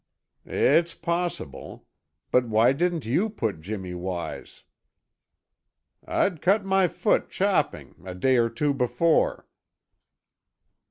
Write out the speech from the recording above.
"It's possible. But why didn't you put Jimmy wise?" "I'd cut my foot chopping, a day or two before."